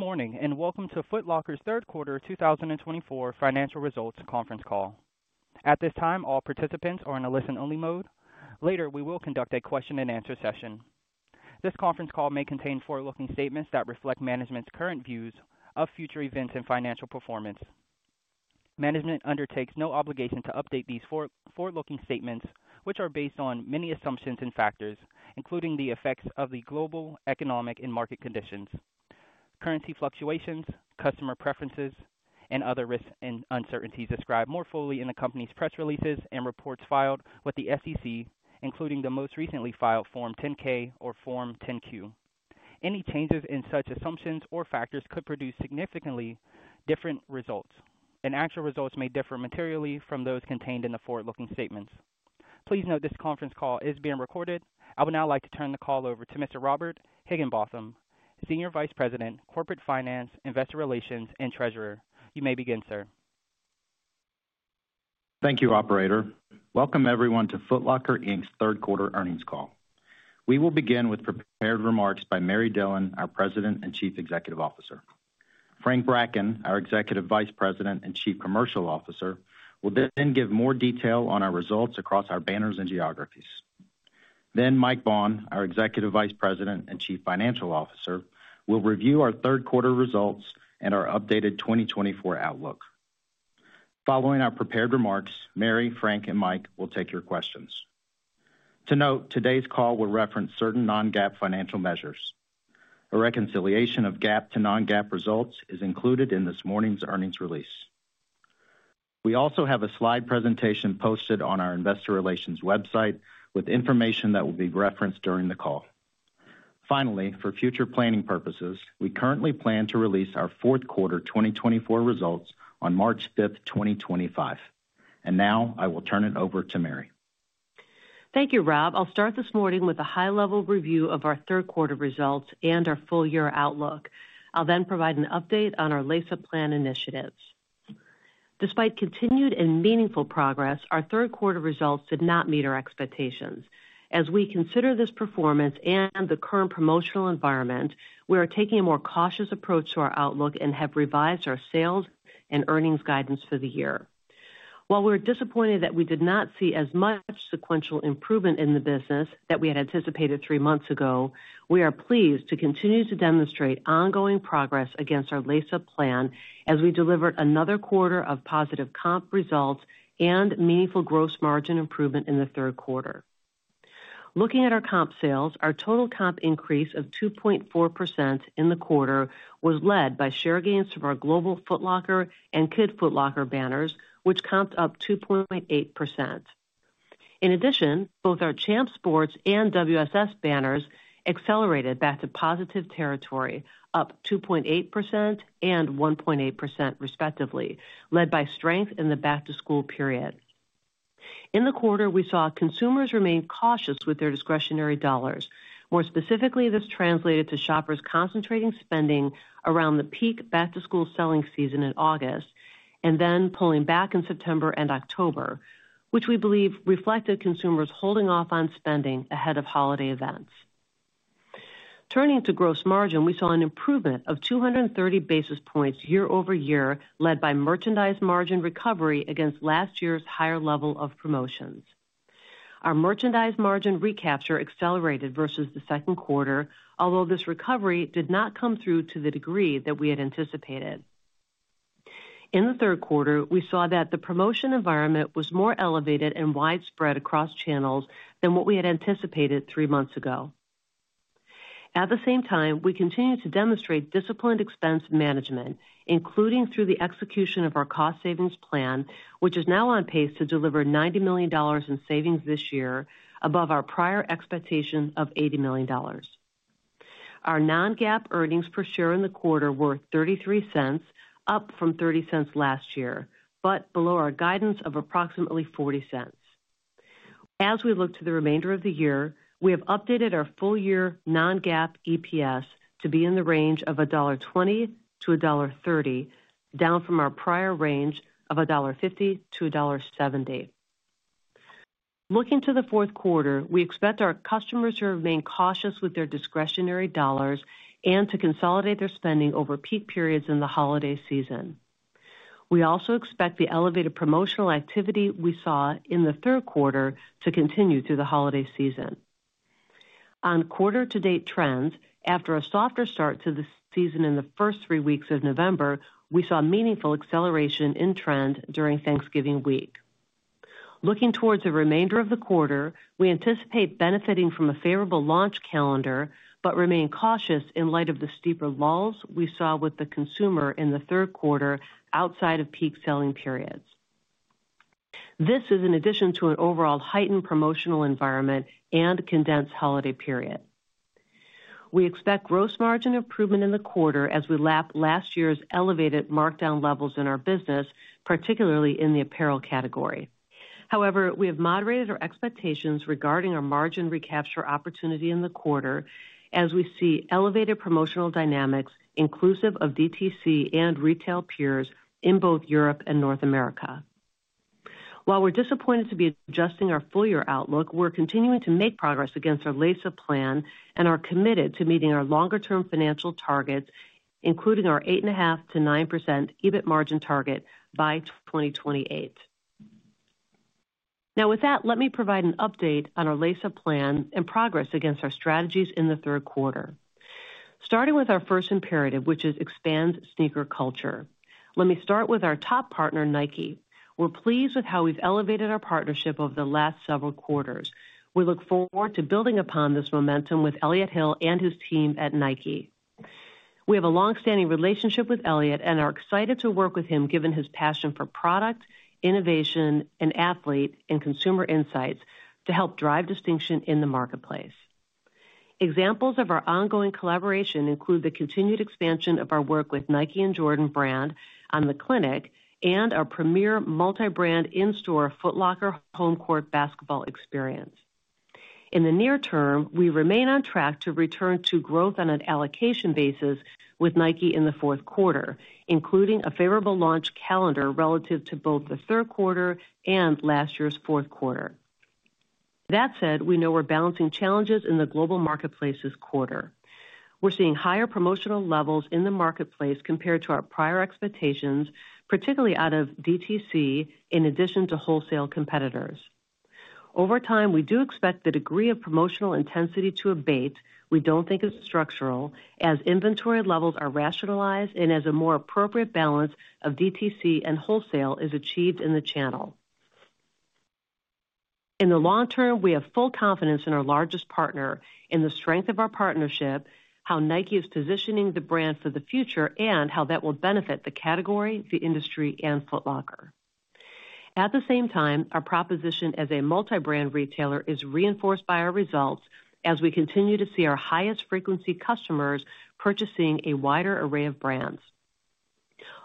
Good morning and welcome to Foot Locker's third quarter 2024 financial results conference call. At this time, all participants are in a listen-only mode. Later, we will conduct a question-and-answer session. This conference call may contain forward-looking statements that reflect management's current views of future events and financial performance. Management undertakes no obligation to update these forward-looking statements, which are based on many assumptions and factors, including the effects of the global economic and market conditions, currency fluctuations, customer preferences, and other risks and uncertainties described more fully in the company's press releases and reports filed with the SEC, including the most recently filed Form 10-K or Form 10-Q. Any changes in such assumptions or factors could produce significantly different results, and actual results may differ materially from those contained in the forward-looking statements. Please note this conference call is being recorded. I would now like to turn the call over to Mr. Robert Higginbotham, Senior Vice President, Corporate Finance, Investor Relations, and Treasurer. You may begin, sir. Thank you, Operator. Welcome, everyone, to Foot Locker, Inc.'s third quarter earnings call. We will begin with prepared remarks by Mary Dillon, our President and Chief Executive Officer. Frank Bracken, our Executive Vice President and Chief Commercial Officer, will then give more detail on our results across our banners and geographies. Then Mike Baughn, our Executive Vice President and Chief Financial Officer, will review our third quarter results and our updated 2024 outlook. Following our prepared remarks, Mary, Frank, and Mike will take your questions. To note, today's call will reference certain non-GAAP financial measures. A reconciliation of GAAP to non-GAAP results is included in this morning's earnings release. We also have a slide presentation posted on our Investor Relations website with information that will be referenced during the call. Finally, for future planning purposes, we currently plan to release our fourth quarter 2024 results on March 5, 2025. Now I will turn it over to Mary. Thank you, Rob. I'll start this morning with a high-level review of our third quarter results and our full-year outlook. I'll then provide an update on our Lace Up Plan initiatives. Despite continued and meaningful progress, our third quarter results did not meet our expectations. As we consider this performance and the current promotional environment, we are taking a more cautious approach to our outlook and have revised our sales and earnings guidance for the year. While we're disappointed that we did not see as much sequential improvement in the business that we had anticipated three months ago, we are pleased to continue to demonstrate ongoing progress against our Lace Up Plan as we delivered another quarter of positive comp results and meaningful gross margin improvement in the third quarter. Looking at our comp sales, our total comp increase of 2.4% in the quarter was led by share gains from our Global Foot Locker and Kids Foot Locker banners, which comped up 2.8%. In addition, both our Champ Sports and WSS banners accelerated back to positive territory, up 2.8% and 1.8% respectively, led by strength in the back-to-school period. In the quarter, we saw consumers remain cautious with their discretionary dollars. More specifically, this translated to shoppers concentrating spending around the peak back-to-school selling season in August and then pulling back in September and October, which we believe reflected consumers holding off on spending ahead of holiday events. Turning to gross margin, we saw an improvement of 230 basis points year over year, led by merchandise margin recovery against last year's higher level of promotions. Our merchandise margin recapture accelerated versus the second quarter, although this recovery did not come through to the degree that we had anticipated. In the third quarter, we saw that the promotion environment was more elevated and widespread across channels than what we had anticipated three months ago. At the same time, we continue to demonstrate disciplined expense management, including through the execution of our cost savings plan, which is now on pace to deliver $90 million in savings this year, above our prior expectation of $80 million. Our non-GAAP earnings per share in the quarter were $0.33, up from $0.30 last year, but below our guidance of approximately $0.40. As we look to the remainder of the year, we have updated our full-year non-GAAP EPS to be in the range of $1.20-$1.30, down from our prior range of $1.50-$1.70. Looking to the fourth quarter, we expect our customers to remain cautious with their discretionary dollars and to consolidate their spending over peak periods in the holiday season. We also expect the elevated promotional activity we saw in the third quarter to continue through the holiday season. On quarter-to-date trends, after a softer start to the season in the first three weeks of November, we saw meaningful acceleration in trend during Thanksgiving week. Looking towards the remainder of the quarter, we anticipate benefiting from a favorable launch calendar, but remain cautious in light of the steeper lulls we saw with the consumer in the third quarter outside of peak selling periods. This is in addition to an overall heightened promotional environment and condensed holiday period. We expect gross margin improvement in the quarter as we lap last year's elevated markdown levels in our business, particularly in the apparel category. However, we have moderated our expectations regarding our margin recapture opportunity in the quarter as we see elevated promotional dynamics inclusive of DTC and retail peers in both Europe and North America. While we're disappointed to be adjusting our full-year outlook, we're continuing to make progress against our LISA plan and are committed to meeting our longer-term financial targets, including our 8.5%-9% EBIT margin target by 2028. Now, with that, let me provide an update on our LISA plan and progress against our strategies in the third quarter. Starting with our first imperative, which is expand sneaker culture. Let me start with our top partner, Nike. We're pleased with how we've elevated our partnership over the last several quarters. We look forward to building upon this momentum with Elliott Hill and his team at Nike. We have a long-standing relationship with Elliott and are excited to work with him given his passion for product, innovation, and athlete and consumer insights to help drive distinction in the marketplace. Examples of our ongoing collaboration include the continued expansion of our work with Nike and Jordan Brand on the clinic and our premier multi-brand in-store Foot Locker Home Court basketball experience. In the near term, we remain on track to return to growth on an allocation basis with Nike in the fourth quarter, including a favorable launch calendar relative to both the third quarter and last year's fourth quarter. That said, we know we're balancing challenges in the global marketplace this quarter. We're seeing higher promotional levels in the marketplace compared to our prior expectations, particularly out of DTC, in addition to wholesale competitors. Over time, we do expect the degree of promotional intensity to abate. We don't think it is structural, as inventory levels are rationalized and as a more appropriate balance of DTC and wholesale is achieved in the channel. In the long term, we have full confidence in our largest partner, in the strength of our partnership, how Nike is positioning the brand for the future, and how that will benefit the category, the industry, and Foot Locker. At the same time, our proposition as a multi-brand retailer is reinforced by our results as we continue to see our highest frequency customers purchasing a wider array of brands.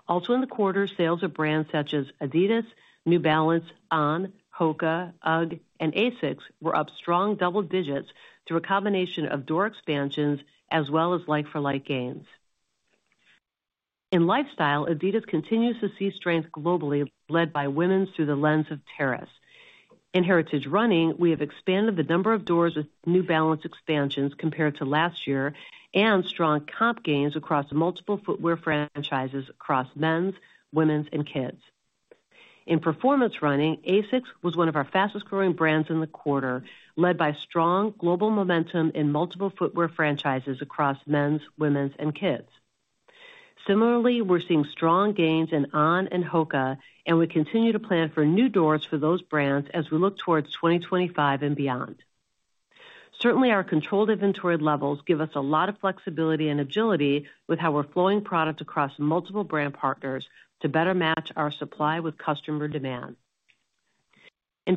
Also, in the quarter, sales of brands such as Adidas, New Balance, On, Hoka, UGG, and ASICS were up strong double digits through a combination of door expansions as well as like-for-like gains. In lifestyle, Adidas continues to see strength globally, led by women's through the lens of terrace. In heritage running, we have expanded the number of doors with New Balance expansions compared to last year and strong comp gains across multiple footwear franchises across men's, women's, and kids. In performance running, ASICS was one of our fastest-growing brands in the quarter, led by strong global momentum in multiple footwear franchises across men's, women's, and kids. Similarly, we're seeing strong gains in On and Hoka, and we continue to plan for new doors for those brands as we look towards 2025 and beyond. Certainly, our controlled inventory levels give us a lot of flexibility and agility with how we're flowing product across multiple brand partners to better match our supply with customer demand.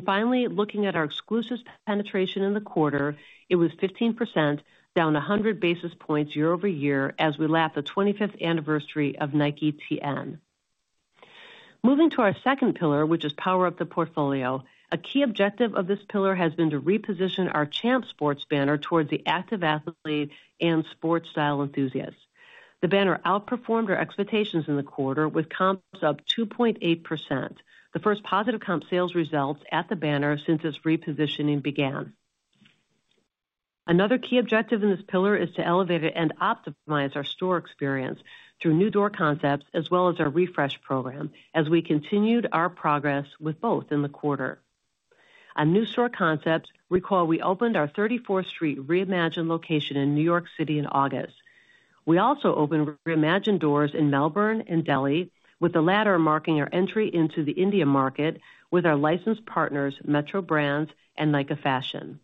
Finally, looking at our exclusive penetration in the quarter, it was 15%, down 100 basis points year over year as we lap the 25th anniversary of Nike TN. Moving to our second pillar, which is Power Up the Portfolio. A key objective of this pillar has been to reposition our Champ Sports banner towards the active athlete and sports style enthusiasts. The banner outperformed our expectations in the quarter with comps up 2.8%, the first positive comp sales results at the banner since its repositioning began. Another key objective in this pillar is to elevate and optimize our store experience through new door concepts as well as our refresh program, as we continued our progress with both in the quarter. On new store concepts, recall we opened our 34th Street Reimagined location in New York City in August. We also opened Reimagined doors in Melbourne and Delhi, with the latter marking our entry into the Indian market with our licensed partners, Metro Brands and Nykaa Fashion.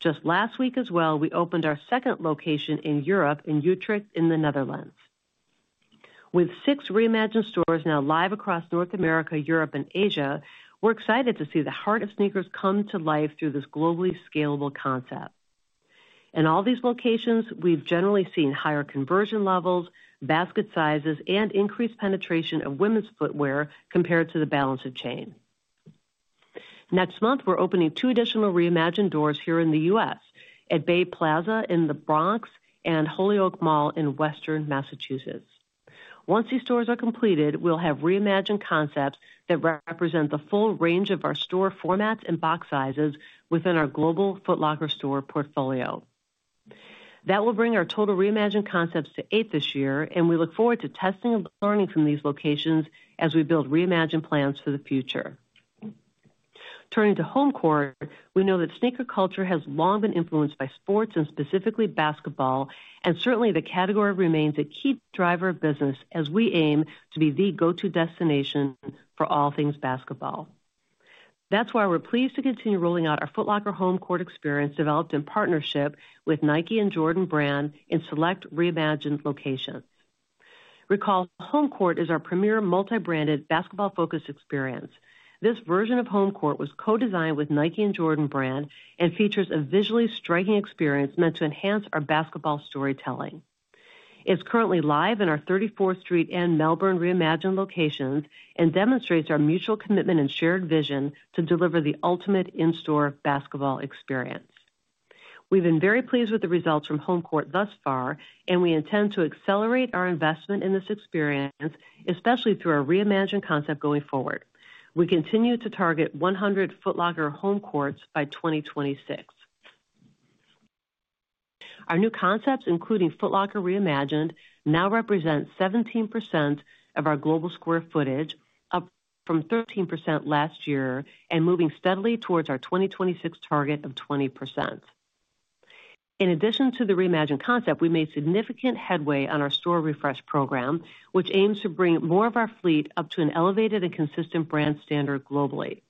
Just last week as well, we opened our second location in Europe in Utrecht in the Netherlands. With six Reimagined stores now live across North America, Europe, and Asia, we're excited to see the Heart of Sneakers come to life through this globally scalable concept. In all these locations, we've generally seen higher conversion levels, basket sizes, and increased penetration of women's footwear compared to the balance of chain. Next month, we're opening two additional Reimagined doors here in the U.S. at Bay Plaza in the Bronx and Holyoke Mall in Western Massachusetts. Once these stores are completed, we'll have Reimagined concepts that represent the full range of our store formats and box sizes within our global Foot Locker store portfolio. That will bring our total Reimagined concepts to eight this year, and we look forward to testing and learning from these locations as we build Reimagined plans for the future. Turning to Home Court, we know that sneaker culture has long been influenced by sports and specifically basketball, and certainly the category remains a key driver of business as we aim to be the go-to destination for all things basketball. That's why we're pleased to continue rolling out our Foot Locker Home Court experience developed in partnership with Nike and Jordan Brand in select Reimagined locations. Recall, Home Court is our premier multi-branded basketball-focused experience. This version of Home Court was co-designed with Nike and Jordan Brand and features a visually striking experience meant to enhance our basketball storytelling. It's currently live in our 34th Street and Melbourne Reimagined locations and demonstrates our mutual commitment and shared vision to deliver the ultimate in-store basketball experience. We've been very pleased with the results from Home Court thus far, and we intend to accelerate our investment in this experience, especially through our Reimagined concept going forward. We continue to target 100 Foot Locker Home Courts by 2026. Our new concepts, including Foot Locker Reimagined, now represent 17% of our global square footage, up from 13% last year and moving steadily towards our 2026 target of 20%. In addition to the Reimagined concept, we made significant headway on our Store Refresh program, which aims to bring more of our fleet up to an elevated and consistent brand standard globally.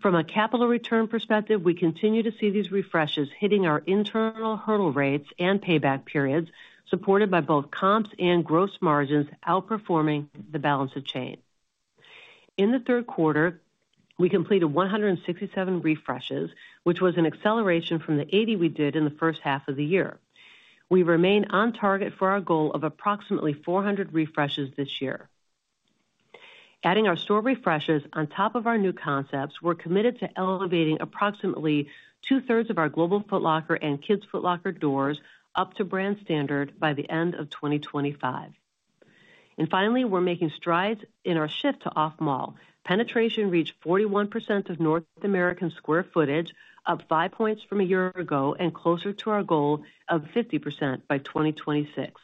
From a capital return perspective, we continue to see these refreshes hitting our internal hurdle rates and payback periods, supported by both comps and gross margins outperforming the balance of chain. In the third quarter, we completed 167 refreshes, which was an acceleration from the 80 we did in the first half of the year. We remain on target for our goal of approximately 400 refreshes this year. Adding our store refreshes on top of our new concepts, we're committed to elevating approximately two-thirds of our global Foot Locker and Kids Foot Locker doors up to brand standard by the end of 2025. And finally, we're making strides in our shift to off-mall. Penetration reached 41% of North American square footage, up five points from a year ago and closer to our goal of 50% by 2026.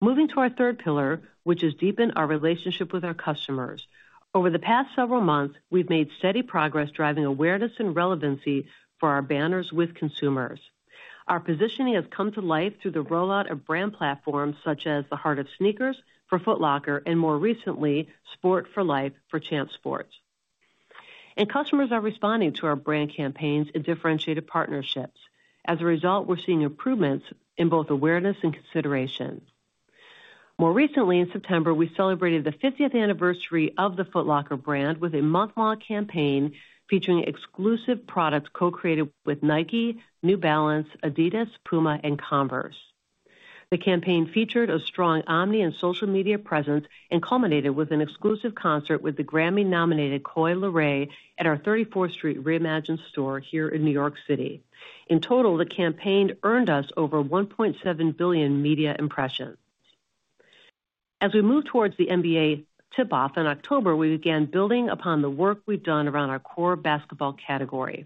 Moving to our third pillar, which is deepening our relationship with our customers. Over the past several months, we've made steady progress driving awareness and relevancy for our banners with consumers. Our positioning has come to life through the rollout of brand platforms such as the Heart of Sneakers for Foot Locker and more recently, Sport for Life for Champ Sports. And customers are responding to our brand campaigns and differentiated partnerships. As a result, we're seeing improvements in both awareness and consideration. More recently, in September, we celebrated the 50th anniversary of the Foot Locker brand with a month-long campaign featuring exclusive products co-created with Nike, New Balance, Adidas, Puma, and Converse. The campaign featured a strong omni and social media presence and culminated with an exclusive concert with the Grammy-nominated Coi Leray at our 34th Street Reimagined store here in New York City. In total, the campaign earned us over 1.7 billion media impressions. As we move towards the NBA tip-off in October, we began building upon the work we've done around our core basketball category.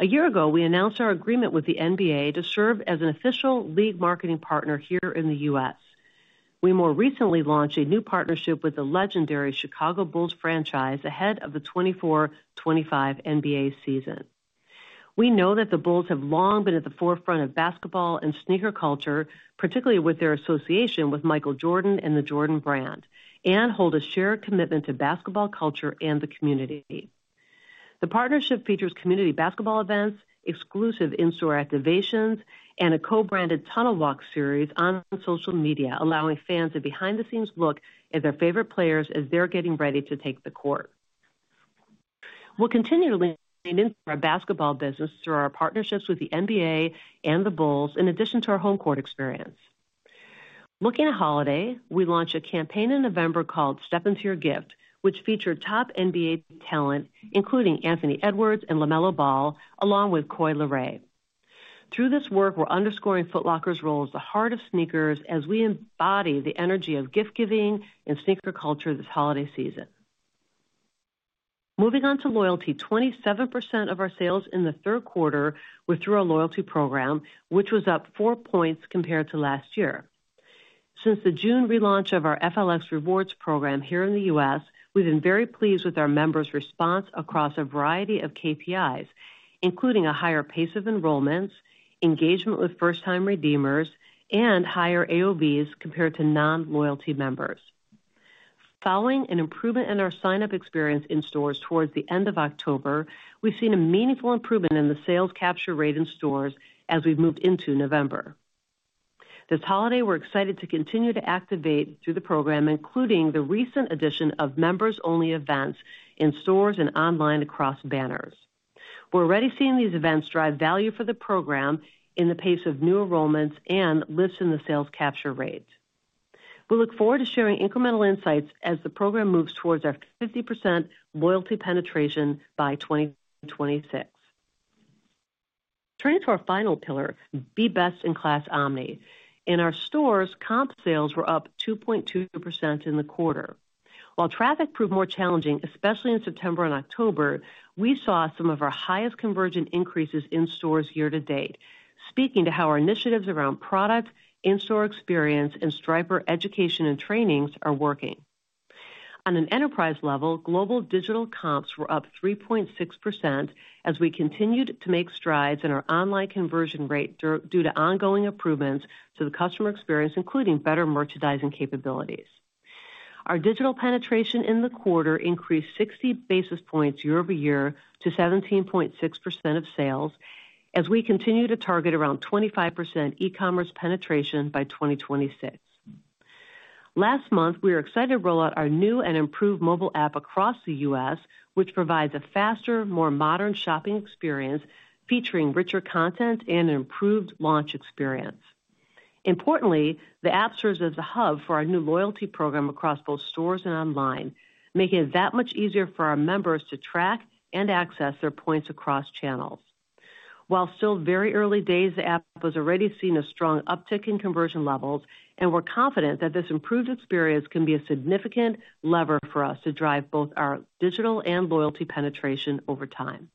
A year ago, we announced our agreement with the NBA to serve as an official league marketing partner here in the U.S. We more recently launched a new partnership with the legendary Chicago Bulls franchise ahead of the 2024-25 NBA season. We know that the Bulls have long been at the forefront of basketball and sneaker culture, particularly with their association with Michael Jordan and the Jordan Brand, and hold a shared commitment to basketball culture and the community. The partnership features community basketball events, exclusive in-store activations, and a co-branded tunnel walk series on social media, allowing fans a behind-the-scenes look at their favorite players as they're getting ready to take the court. We'll continue to lean into our basketball business through our partnerships with the NBA and the Bulls in addition to our Home Court experience. Looking at holiday, we launched a campaign in November called Step Into Your Gift, which featured top NBA talent, including Anthony Edwards and LaMelo Ball, along with Coi Leray. Through this work, we're underscoring Foot Locker's role as the Heart of Sneakers as we embody the energy of gift-giving and sneaker culture this holiday season. Moving on to loyalty, 27% of our sales in the third quarter were through our loyalty program, which was up four points compared to last year. Since the June relaunch of our FLX Rewards program here in the U.S., we've been very pleased with our members' response across a variety of KPIs, including a higher pace of enrollments, engagement with first-time redeemers, and higher AOVs compared to non-loyalty members. Following an improvement in our sign-up experience in stores towards the end of October, we've seen a meaningful improvement in the sales capture rate in stores as we've moved into November. This holiday, we're excited to continue to activate through the program, including the recent addition of members-only events in stores and online across banners. We're already seeing these events drive value for the program in the pace of new enrollments and lifts in the sales capture rate. We look forward to sharing incremental insights as the program moves towards our 50% loyalty penetration by 2026. Turning to our final pillar, Be Best in Class Omni. In our stores, comp sales were up 2.2% in the quarter. While traffic proved more challenging, especially in September and October, we saw some of our highest conversion increases in stores year to date, speaking to how our initiatives around product, in-store experience, and Striper education and trainings are working. On an enterprise level, global digital comps were up 3.6% as we continued to make strides in our online conversion rate due to ongoing improvements to the customer experience, including better merchandising capabilities. Our digital penetration in the quarter increased 60 basis points year over year to 17.6% of sales as we continue to target around 25% e-commerce penetration by 2026. Last month, we were excited to roll out our new and improved mobile app across the U.S., which provides a faster, more modern shopping experience featuring richer content and an improved launch experience. Importantly, the app serves as a hub for our new loyalty program across both stores and online, making it that much easier for our members to track and access their points across channels. While still very early days, the app has already seen a strong uptick in conversion levels, and we're confident that this improved experience can be a significant lever for us to drive both our digital and loyalty penetration over time.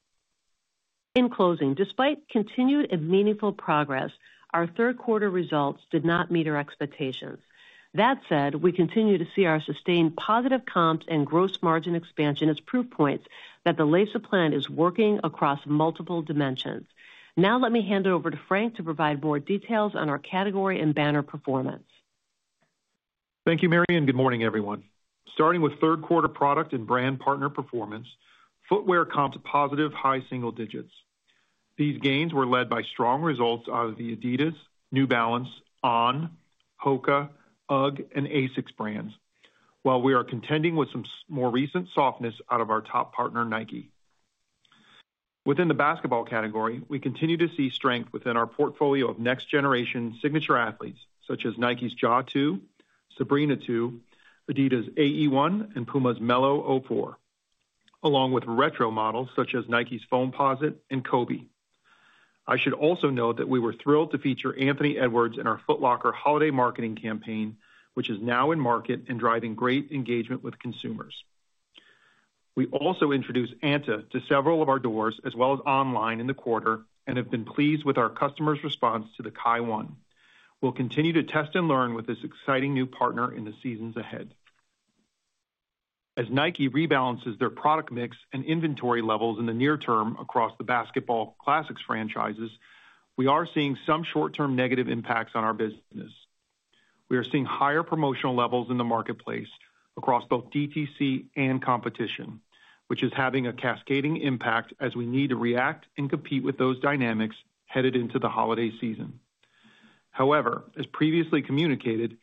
In closing, despite continued and meaningful progress, our third quarter results did not meet our expectations. That said, we continue to see our sustained positive comps and gross margin expansion as proof points that the Lace Up Plan is working across multiple dimensions. Now let me hand it over to Frank to provide more details on our category and banner performance. Thank you, Mary, and good morning, everyone. Starting with third quarter product and brand partner performance, footwear comps positive high single digits. These gains were led by strong results out of the Adidas, New Balance, On, Hoka, UGG, and ASICS brands, while we are contending with some more recent softness out of our top partner, Nike. Within the basketball category, we continue to see strength within our portfolio of next-generation signature athletes such as Nike's Ja 2, Sabrina 2, Adidas AE 1, and Puma's Melo 04, along with retro models such as Nike's Foamposite and Kobe. I should also note that we were thrilled to feature Anthony Edwards in our Foot Locker holiday marketing campaign, which is now in market and driving great engagement with consumers. We also introduced Anta to several of our doors as well as online in the quarter and have been pleased with our customers' response to the Kai 1. We'll continue to test and learn with this exciting new partner in the seasons ahead. As Nike rebalances their product mix and inventory levels in the near term across the basketball classics franchises, we are seeing some short-term negative impacts on our business. We are seeing higher promotional levels in the marketplace across both DTC and competition, which is having a cascading impact as we need to react and compete with those dynamics headed into the holiday season. However, as previously communicated,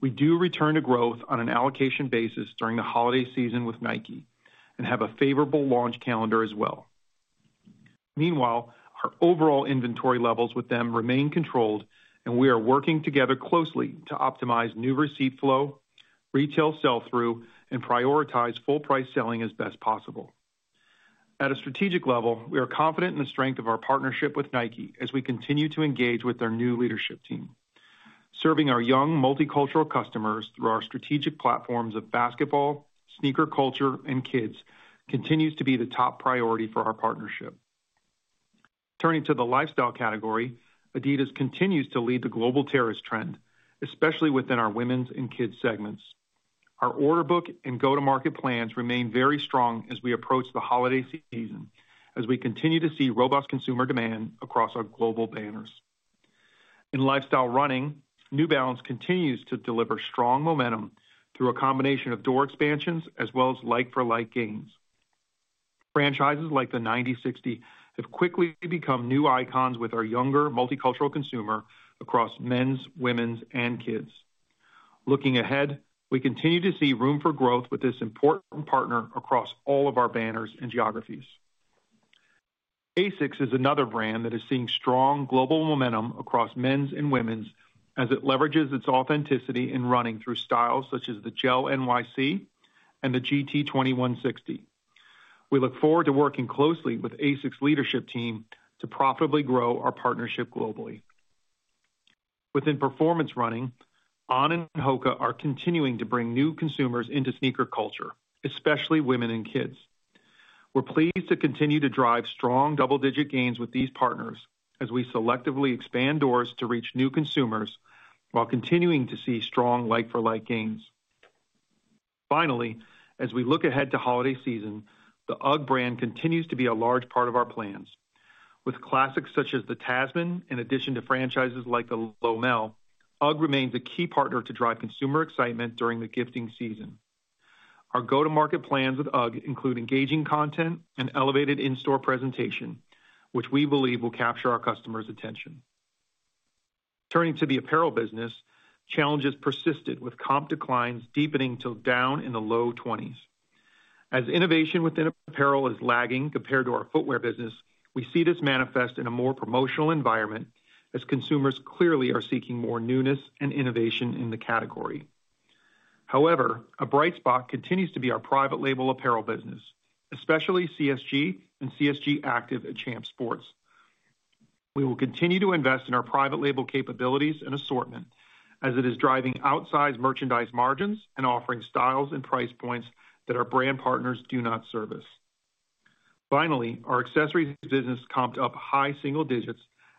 we do return to growth on an allocation basis during the holiday season with Nike and have a favorable launch calendar as well. Meanwhile, our overall inventory levels with them remain controlled, and we are working together closely to optimize new receipt flow, retail sell-through, and prioritize full-price selling as best possible. At a strategic level, we are confident in the strength of our partnership with Nike as we continue to engage with their new leadership team. Serving our young multicultural customers through our strategic platforms of basketball, sneaker culture, and kids continues to be the top priority for our partnership. Turning to the lifestyle category, Adidas continues to lead the global terrace trend, especially within our women's and kids segments. Our order book and go-to-market plans remain very strong as we approach the holiday season, as we continue to see robust consumer demand across our global banners. In lifestyle running, New Balance continues to deliver strong momentum through a combination of door expansions as well as like-for-like comps. Franchises like the 9060 have quickly become new icons with our younger multicultural consumer across men's, women's, and kids. Looking ahead, we continue to see room for growth with this important partner across all of our banners and geographies. ASICS is another brand that is seeing strong global momentum across men's and women's as it leverages its authenticity in running through styles such as the GEL-NYC and the GT-2160. We look forward to working closely with ASICS' leadership team to profitably grow our partnership globally. Within performance running, On and Hoka are continuing to bring new consumers into sneaker culture, especially women and kids. We're pleased to continue to drive strong double-digit gains with these partners as we selectively expand doors to reach new consumers while continuing to see strong like-for-like gains. Finally, as we look ahead to holiday season, the UGG brand continues to be a large part of our plans. With classics such as the Tasman in addition to franchises like the Lomel, UGG remains a key partner to drive consumer excitement during the gifting season. Our go-to-market plans with UGG include engaging content and elevated in-store presentation, which we believe will capture our customers' attention. Turning to the apparel business, challenges persisted with comp declines deepening to down in the low 20s%. As innovation within apparel is lagging compared to our footwear business, we see this manifest in a more promotional environment as consumers clearly are seeking more newness and innovation in the category. However, a bright spot continues to be our private label apparel business, especially CSG and CSG Active at Champ Sports. We will continue to invest in our private label capabilities and assortment as it is driving outsized merchandise margins and offering styles and price points that our brand partners do not service. Finally, our accessories business comped up high single digits%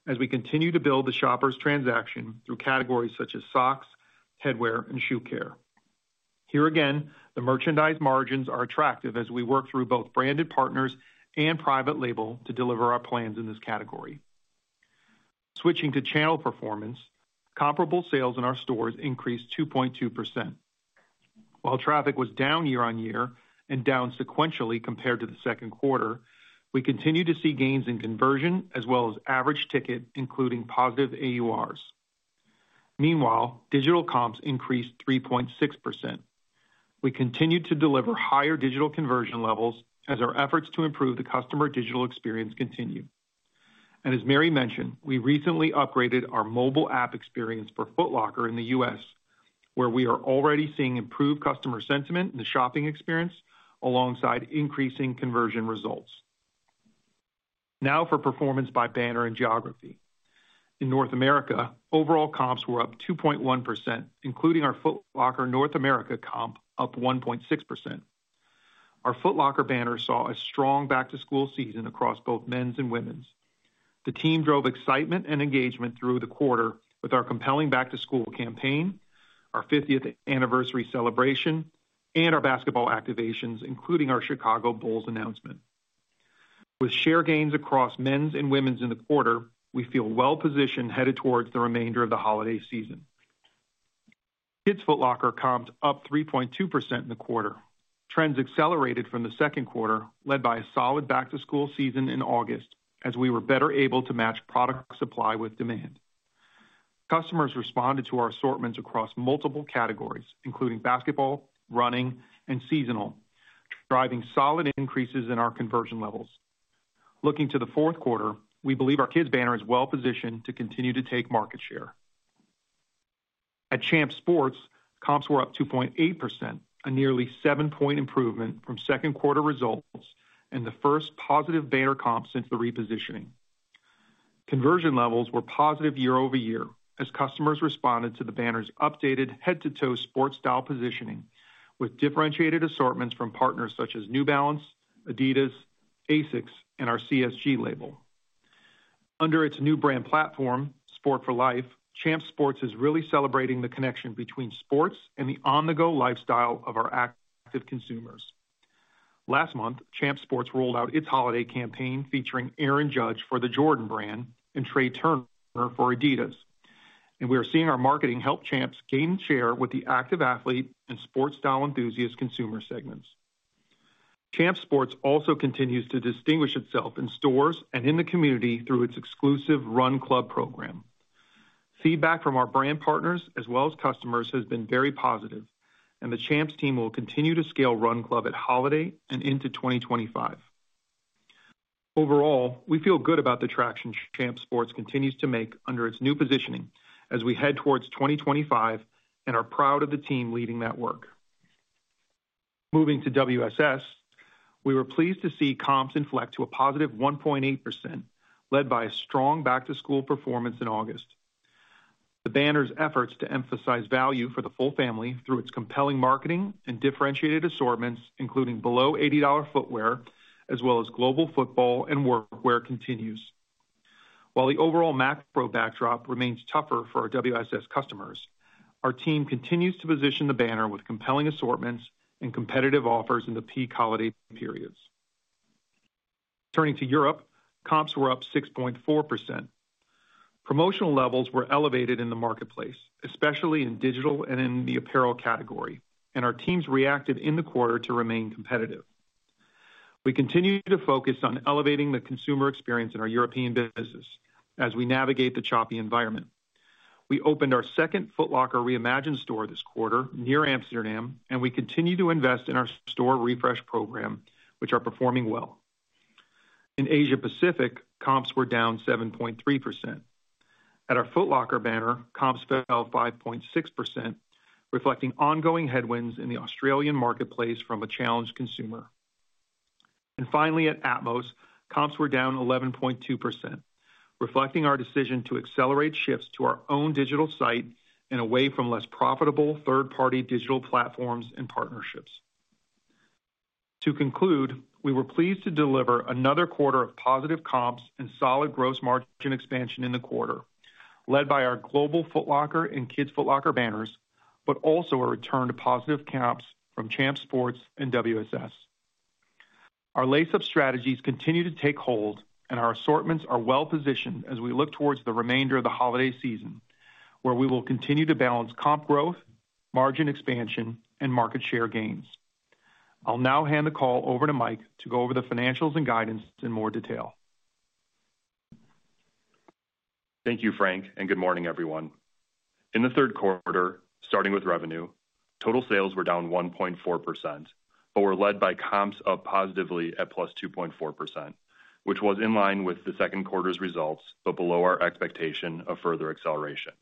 as we continue to build the shopper's transaction through categories such as socks, headwear, and shoe care. Here again, the merchandise margins are attractive as we work through both branded partners and private label to deliver our plans in this category. Switching to channel performance, comparable sales in our stores increased 2.2%. While traffic was down year on year and down sequentially compared to the second quarter, we continue to see gains in conversion as well as average ticket, including positive AURs. Meanwhile, digital comps increased 3.6%. We continue to deliver higher digital conversion levels as our efforts to improve the customer digital experience continue, and as Mary mentioned, we recently upgraded our mobile app experience for Foot Locker in the U.S., where we are already seeing improved customer sentiment in the shopping experience alongside increasing conversion results. Now for performance by banner and geography. In North America, overall comps were up 2.1%, including our Foot Locker North America comp up 1.6%. Our Foot Locker banner saw a strong back-to-school season across both men's and women's. The team drove excitement and engagement through the quarter with our compelling back-to-school campaign, our 50th anniversary celebration, and our basketball activations, including our Chicago Bulls announcement. With share gains across men's and women's in the quarter, we feel well-positioned headed towards the remainder of the holiday season. Kids' Foot Locker comped up 3.2% in the quarter. Trends accelerated from the second quarter, led by a solid back-to-school season in August as we were better able to match product supply with demand. Customers responded to our assortments across multiple categories, including basketball, running, and seasonal, driving solid increases in our conversion levels. Looking to the fourth quarter, we believe our kids' banner is well-positioned to continue to take market share. At Champ Sports, comps were up 2.8%, a nearly 7-point improvement from second quarter results and the first positive banner comp since the repositioning. Conversion levels were positive year over year as customers responded to the banner's updated head-to-toe sports style positioning with differentiated assortments from partners such as New Balance, Adidas, ASICS, and our CSG label. Under its new brand platform, Sport for Life, Champ Sports is really celebrating the connection between sports and the on-the-go lifestyle of our active consumers. Last month, Champ Sports rolled out its holiday campaign featuring Aaron Judge for the Jordan Brand and Trea Turner for Adidas, and we are seeing our marketing help Champs gain share with the active athlete and sports style enthusiast consumer segments. Champ Sports also continues to distinguish itself in stores and in the community through its exclusive Run Club program. Feedback from our brand partners as well as customers has been very positive, and the Champs team will continue to scale Run Club at holiday and into 2025. Overall, we feel good about the traction Champ Sports continues to make under its new positioning as we head towards 2025 and are proud of the team leading that work. Moving to WSS, we were pleased to see comps inflect to a positive 1.8%, led by a strong Back-to-School performance in August. The banner's efforts to emphasize value for the full family through its compelling marketing and differentiated assortments, including below $80 footwear, as well as global football and workwear, continues. While the overall macro backdrop remains tougher for our WSS customers, our team continues to position the banner with compelling assortments and competitive offers in the peak holiday periods. Turning to Europe, comps were up 6.4%. Promotional levels were elevated in the marketplace, especially in digital and in the apparel category, and our teams reacted in the quarter to remain competitive. We continue to focus on elevating the consumer experience in our European businesses as we navigate the choppy environment. We opened our second Foot Locker Reimagined store this quarter near Amsterdam, and we continue to invest in our store refresh program, which are performing well. In Asia-Pacific, comps were down 7.3%. At our Foot Locker banner, comps fell 5.6%, reflecting ongoing headwinds in the Australian marketplace from a challenged consumer. Finally, at Atmos, comps were down 11.2%, reflecting our decision to accelerate shifts to our own digital site and away from less profitable third-party digital platforms and partnerships. To conclude, we were pleased to deliver another quarter of positive comps and solid gross margin expansion in the quarter, led by our global Foot Locker and Kids' Foot Locker banners, but also a return to positive comps from Champ Sports and WSS. Our Lace Up strategies continue to take hold, and our assortments are well-positioned as we look towards the remainder of the holiday season, where we will continue to balance comp growth, margin expansion, and market share gains. I'll now hand the call over to Mike to go over the financials and guidance in more detail. Thank you, Frank, and good morning, everyone. In the third quarter, starting with revenue, total sales were down 1.4%, but were led by comps up positively at plus 2.4%, which was in line with the second quarter's results, but below our expectation of further acceleration.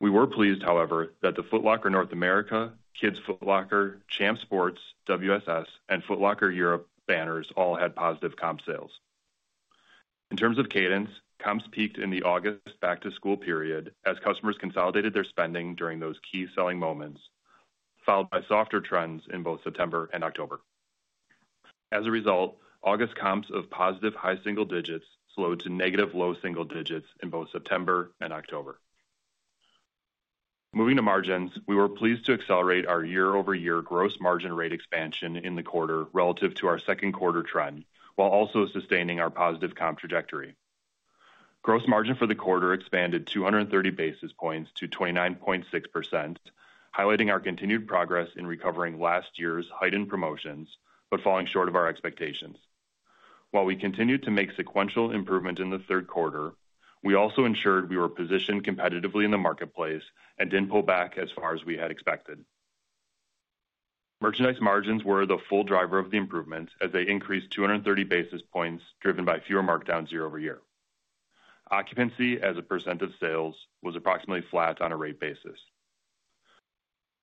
We were pleased, however, that the Foot Locker North America, Kids' Foot Locker, Champ Sports, WSS, and Foot Locker Europe banners all had positive comp sales. In terms of cadence, comps peaked in the August Back-to-School period as customers consolidated their spending during those key selling moments, followed by softer trends in both September and October. As a result, August comps of positive high single digits slowed to negative low single digits in both September and October. Moving to margins, we were pleased to accelerate our year-over-year gross margin rate expansion in the quarter relative to our second quarter trend, while also sustaining our positive comp trajectory. Gross margin for the quarter expanded 230 basis points to 29.6%, highlighting our continued progress in recovering last year's heightened promotions, but falling short of our expectations. While we continued to make sequential improvements in the third quarter, we also ensured we were positioned competitively in the marketplace and didn't pull back as far as we had expected. Merchandise margins were the full driver of the improvements as they increased 230 basis points, driven by fewer markdowns year over year. Occupancy as a percent of sales was approximately flat on a rate basis.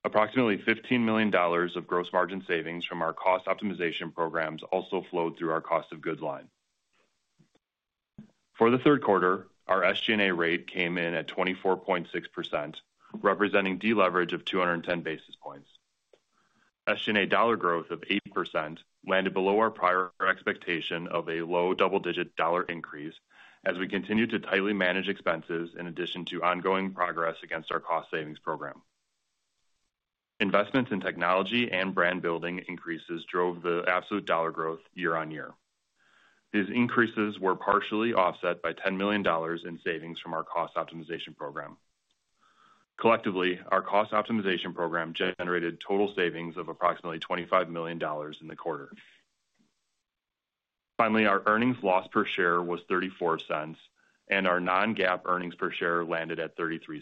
Approximately $15 million of gross margin savings from our cost optimization programs also flowed through our cost of goods line. For the third quarter, our SG&A rate came in at 24.6%, representing deleverage of 210 basis points. SG&A dollar growth of 8% landed below our prior expectation of a low double-digit dollar increase as we continued to tightly manage expenses in addition to ongoing progress against our cost savings program. Investments in technology and brand building increases drove the absolute dollar growth year on year. These increases were partially offset by $10 million in savings from our cost optimization program. Collectively, our cost optimization program generated total savings of approximately $25 million in the quarter. Finally, our earnings loss per share was $0.34, and our non-GAAP earnings per share landed at $0.33.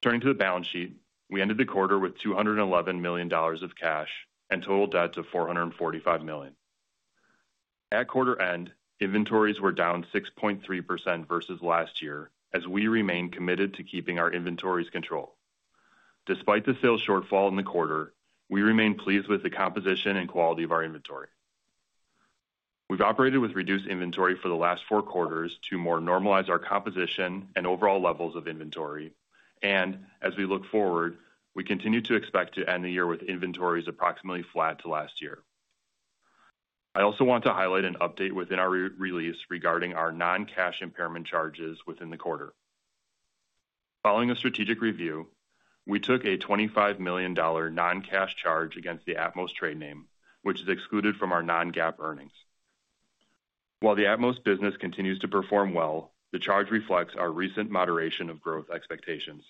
Turning to the balance sheet, we ended the quarter with $211 million of cash and total debt of $445 million. At quarter end, inventories were down 6.3% versus last year as we remained committed to keeping our inventory control. Despite the sales shortfall in the quarter, we remained pleased with the composition and quality of our inventory. We've operated with reduced inventory for the last four quarters to more normalize our composition and overall levels of inventory, and as we look forward, we continue to expect to end the year with inventories approximately flat to last year. I also want to highlight an update within our release regarding our non-cash impairment charges within the quarter. Following a strategic review, we took a $25 million non-cash charge against the Atmos trade name, which is excluded from our non-GAAP earnings. While the Atmos business continues to perform well, the charge reflects our recent moderation of growth expectations.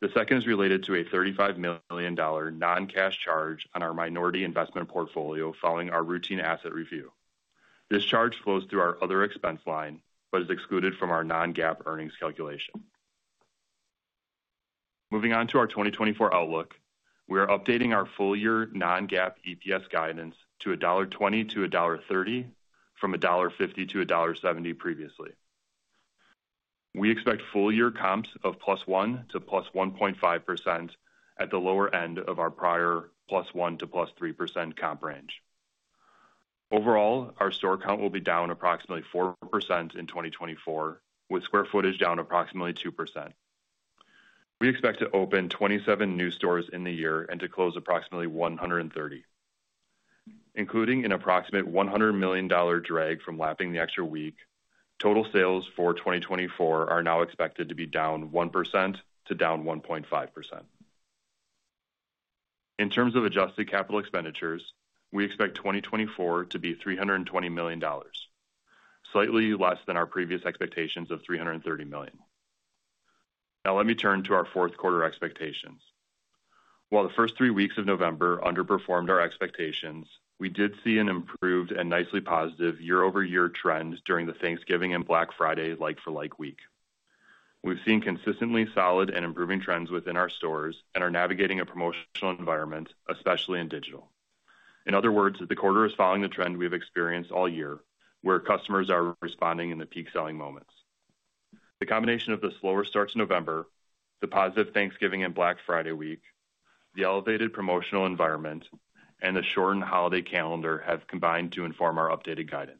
The second is related to a $35 million non-cash charge on our minority investment portfolio following our routine asset review. This charge flows through our other expense line, but is excluded from our non-GAAP earnings calculation. Moving on to our 2024 outlook, we are updating our full-year non-GAAP EPS guidance to $1.20-$1.30 from $1.50-$1.70 previously. We expect full-year comps of +1% to +1.5% at the lower end of our prior +1% to +3% comp range. Overall, our store count will be down approximately 4% in 2024, with square footage down approximately 2%. We expect to open 27 new stores in the year and to close approximately 130. Including an approximate $100 million drag from lapping the extra week, total sales for 2024 are now expected to be -1% to -1.5%. In terms of adjusted capital expenditures, we expect 2024 to be $320 million, slightly less than our previous expectations of $330 million. Now let me turn to our fourth quarter expectations. While the first three weeks of November underperformed our expectations, we did see an improved and nicely positive year-over-year trend during the Thanksgiving and Black Friday like-for-like week. We've seen consistently solid and improving trends within our stores and are navigating a promotional environment, especially in digital. In other words, the quarter is following the trend we've experienced all year, where customers are responding in the peak selling moments. The combination of the slower start to November, the positive Thanksgiving and Black Friday week, the elevated promotional environment, and the shortened holiday calendar have combined to inform our updated guidance.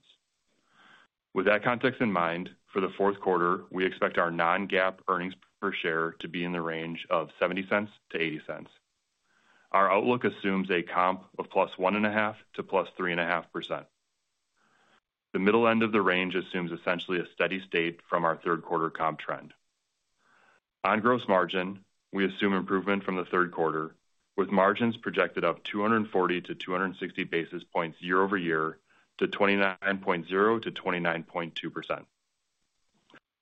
With that context in mind, for the fourth quarter, we expect our non-GAAP earnings per share to be in the range of $0.70-$0.80. Our outlook assumes a comp of +1.5% to +3.5%. The middle end of the range assumes essentially a steady state from our third quarter comp trend. On gross margin, we assume improvement from the third quarter, with margins projected up 240-260 basis points year over year to 29.0%-29.2%.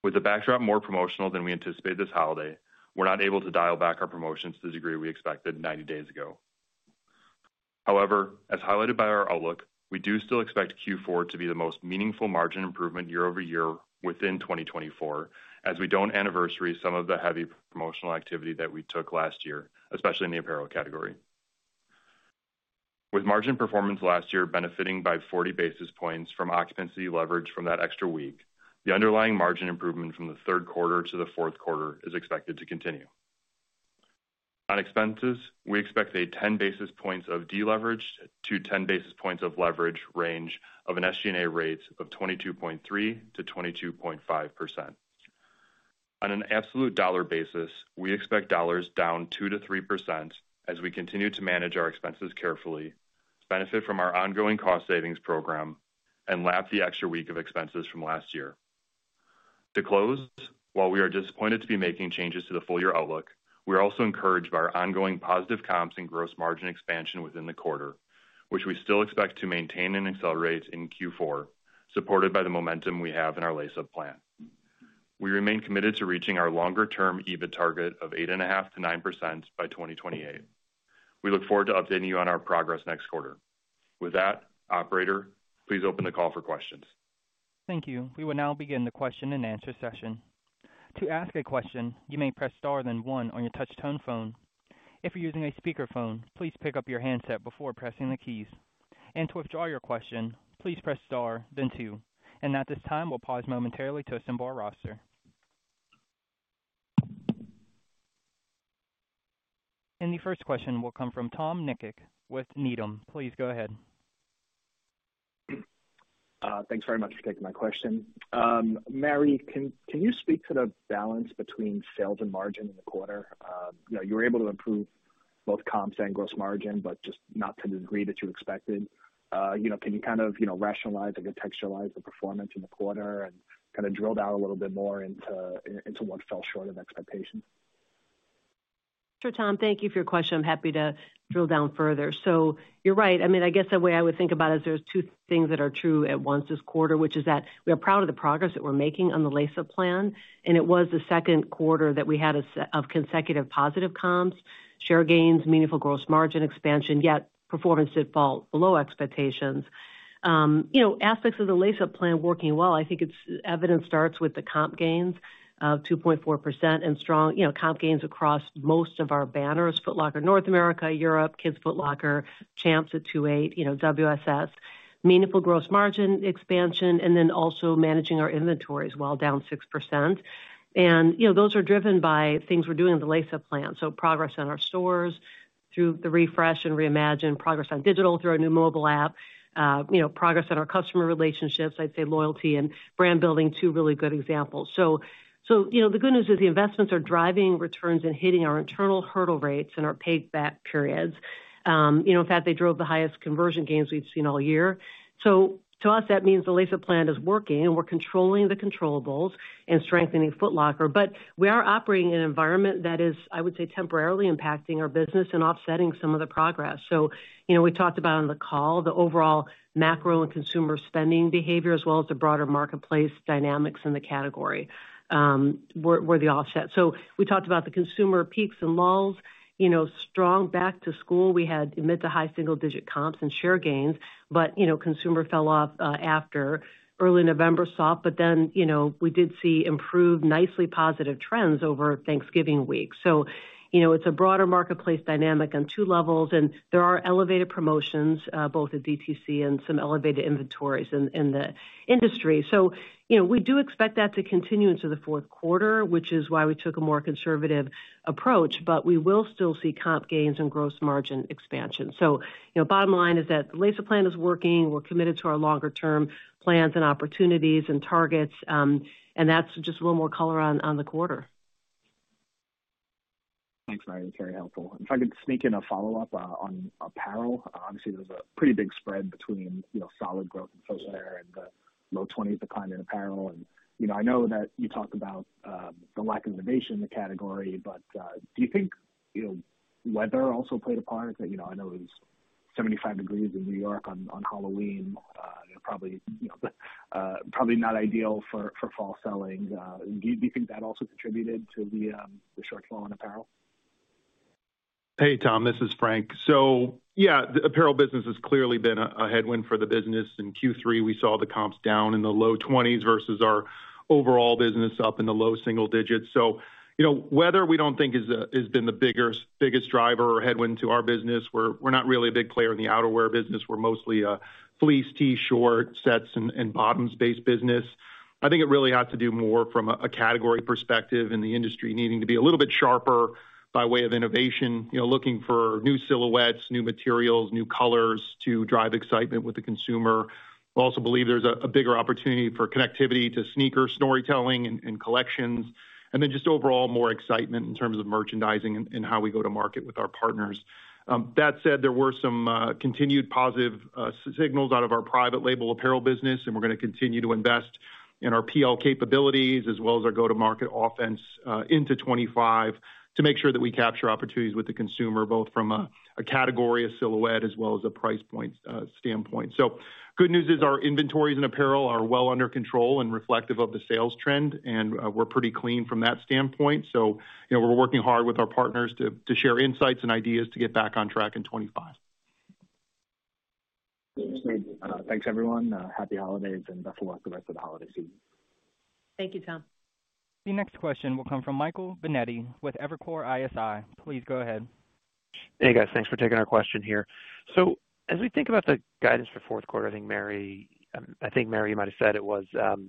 With the backdrop more promotional than we anticipate this holiday, we're not able to dial back our promotions to the degree we expected 90 days ago. However, as highlighted by our outlook, we do still expect Q4 to be the most meaningful margin improvement year over year within 2024, as we don't anniversary some of the heavy promotional activity that we took last year, especially in the apparel category. With margin performance last year benefiting by 40 basis points from occupancy leverage from that extra week, the underlying margin improvement from the third quarter to the fourth quarter is expected to continue. On expenses, we expect 10 basis points of deleverage to 10 basis points of leverage range of an SG&A rate of 22.3%-22.5%. On an absolute dollar basis, we expect dollars down 2%-3% as we continue to manage our expenses carefully, benefit from our ongoing cost savings program, and lap the extra week of expenses from last year. To close, while we are disappointed to be making changes to the full-year outlook, we are also encouraged by our ongoing positive comps and gross margin expansion within the quarter, which we still expect to maintain and accelerate in Q4, supported by the momentum we have in our Lace Up Plan. We remain committed to reaching our longer-term EBIT target of 8.5%-9% by 2028. We look forward to updating you on our progress next quarter. With that, Operator, please open the call for questions. Thank you. We will now begin the question and answer session. To ask a question, you may press star then one on your touch-tone phone. If you're using a speakerphone, please pick up your handset before pressing the keys. And to withdraw your question, please press star then two. And at this time, we'll pause momentarily to assemble our roster. And the first question will come from Tom Nikic with Needham. Please go ahead. Thanks very much for taking my question. Mary, can you speak to the balance between sales and margin in the quarter? You were able to improve both comps and gross margin, but just not to the degree that you expected. Can you kind of rationalize and contextualize the performance in the quarter and kind of drill down a little bit more into what fell short of expectation? Sure, Tom, thank you for your question. I'm happy to drill down further. So you're right. I mean, I guess the way I would think about it is there's two things that are true at once this quarter, which is that we are proud of the progress that we're making on the Lace Up Plan. It was the second quarter that we had a set of consecutive positive comps, share gains, meaningful gross margin expansion, yet performance did fall below expectations. Aspects of the Lace Up Plan working well, I think it's evident starts with the comp gains of 2.4% and strong comp gains across most of our banners: Foot Locker North America, Europe, Kids' Foot Locker, Champs at 2.8%, WSS, meaningful gross margin expansion, and then also managing our inventories while down 6%. Those are driven by things we're doing in the Lace Up Plan. Progress on our stores through the refresh and Reimagined, progress on digital through our new mobile app, progress on our customer relationships. I'd say loyalty and brand building two really good examples. The good news is the investments are driving returns and hitting our internal hurdle rates and our payback periods. In fact, they drove the highest conversion gains we've seen all year. To us, that means the Lace Up Plan is working and we're controlling the controllables, and strengthening Foot Locker. But we are operating in an environment that is, I would say, temporarily impacting our business and offsetting some of the progress. We talked about on the call the overall macro and consumer spending behavior, as well as the broader marketplace dynamics in the category. We're the offset. We talked about the consumer peaks and lulls. Strong Back-to-School, we had mid- to high-single-digit comps and share gains, but consumer fell off after early November soft but then we did see improved nicely positive trends over Thanksgiving week, so it's a broader marketplace dynamic on two levels, and there are elevated promotions both at DTC and some elevated inventories in the industry, so we do expect that to continue into the fourth quarter, which is why we took a more conservative approach, but we will still see comp gains and gross margin expansion, so bottom line is that the Lace Up Plan is working. We're committed to our longer-term plans and opportunities and targets, and that's just a little more color on the quarter. Thanks, Mary. It's very helpful. If I could sneak in a follow-up on apparel, obviously there's a pretty big spread between solid growth in footwear and the low-20s declining in apparel. I know that you talked about the lack of innovation in the category, but do you think weather also played a part? I know it was 75 degrees Fahrenheit in New York on Halloween. It probably not ideal for fall selling. Do you think that also contributed to the shortfall in apparel? Hey, Tom, this is Frank. So yeah, the apparel business has clearly been a headwind for the business. In Q3, we saw the comps down in the low 20s versus our overall business up in the low single digits. So weather, we don't think, has been the biggest driver or headwind to our business. We're not really a big player in the outerwear business. We're mostly fleece, T-shirt, sets, and bottoms-based business. I think it really has to do more from a category perspective in the industry needing to be a little bit sharper by way of innovation, looking for new silhouettes, new materials, new colors to drive excitement with the consumer. We also believe there's a bigger opportunity for connectivity to sneaker storytelling and collections. And then just overall, more excitement in terms of merchandising and how we go to market with our partners. That said, there were some continued positive signals out of our private label apparel business, and we're going to continue to invest in our PL capabilities, as well as our go-to-market offense into 2025, to make sure that we capture opportunities with the consumer, both from a category of silhouette as well as a price point standpoint. So good news is our inventories and apparel are well under control and reflective of the sales trend, and we're pretty clean from that standpoint. So we're working hard with our partners to share insights and ideas to get back on track in 2025. Thanks, everyone. Happy holidays and best of luck the rest of the holiday season. Thank you, Tom. The next question will come from Michael Binetti with Evercore ISI. Please go ahead. Hey, guys. Thanks for taking our question here. So as we think about the guidance for fourth quarter, I think, Mary, I think Mary might have said it was the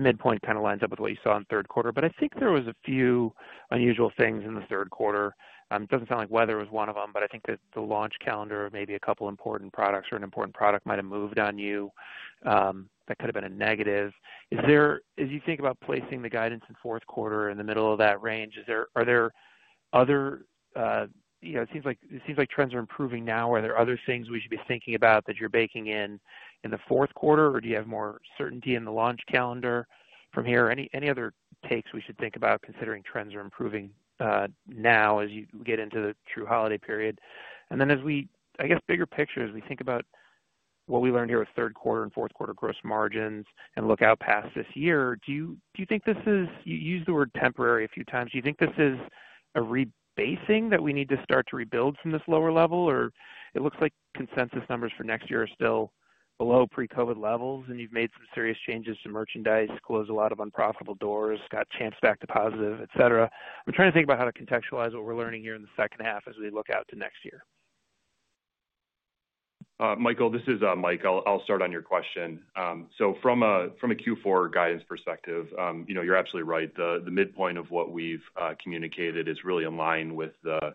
midpoint kind of lines up with what you saw in third quarter. But I think there were a few unusual things in the third quarter. It doesn't sound like weather was one of them, but I think that the launch calendar of maybe a couple of important products or an important product might have moved on you. That could have been a negative. As you think about placing the guidance in fourth quarter in the middle of that range, are there other? It seems like trends are improving now. Are there other things we should be thinking about that you're baking in in the fourth quarter, or do you have more certainty in the launch calendar from here? Any other takes we should think about considering trends are improving now as you get into the true holiday period? Then as we, I guess, bigger picture, as we think about what we learned here with third quarter and fourth quarter gross margins and look out past this year, do you think this is? You used the word temporary a few times. Do you think this is a rebasing that we need to start to rebuild from this lower level? Or it looks like consensus numbers for next year are still below pre-COVID levels, and you've made some serious changes to merchandise, closed a lot of unprofitable doors, got Champs back to positive, etc. I'm trying to think about how to contextualize what we're learning here in the second half as we look out to next year. Michael, this is Mike. I'll start on your question. From a Q4 guidance perspective, you're absolutely right. The midpoint of what we've communicated is really in line with the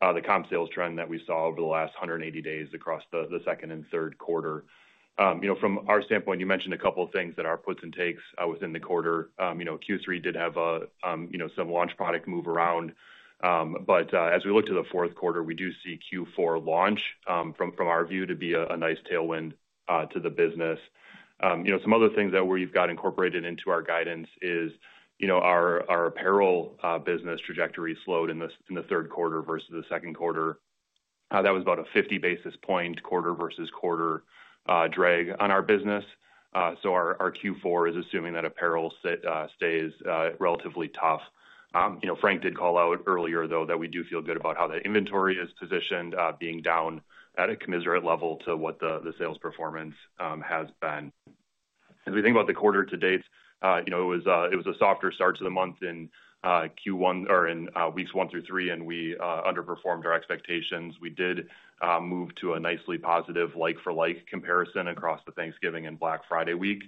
comp sales trend that we saw over the last 180 days across the second and third quarter. From our standpoint, you mentioned a couple of things that are puts and takes within the quarter. Q3 did have some launch product move around. But as we look to the fourth quarter, we do see Q4 launch, from our view, to be a nice tailwind to the business. Some other things that we've got incorporated into our guidance is our apparel business trajectory slowed in the third quarter versus the second quarter. That was about a 50 basis points quarter versus quarter drag on our business. So our Q4 is assuming that apparel stays relatively tough. Frank did call out earlier, though, that we do feel good about how the inventory is positioned, being down at a commensurate level to what the sales performance has been. As we think about the quarter to date, it was a softer start to the month in Q1 or in weeks one through three, and we underperformed our expectations. We did move to a nicely positive like-for-like comparison across the Thanksgiving and Black Friday week.